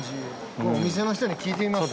これお店の人に聞いてみます？